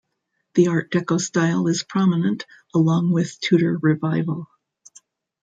The Art Deco style is prominent, along with Tudor Revival.